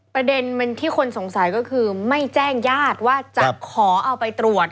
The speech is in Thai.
ประเด็นมันที่คนสงสัยก็คือไม่แจ้งญาติว่าจะขอเอาไปตรวจ